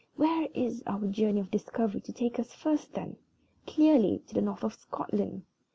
Where is our journey of discovery to take us to first, then? Clearly to the north of Scotland.